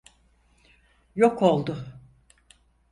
Yok oldu.